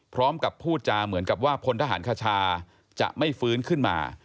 พร้อมกับพูดจาเหมือนกับว่าพลทหารคชาจะไม่ฟื้นขึ้นมา